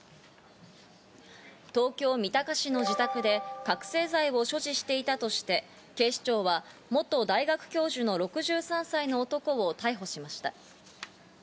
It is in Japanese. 東京・三鷹市の自宅で覚せい剤を所持していたとして、警視庁は元大学教授の６３歳の男を逮捕しました。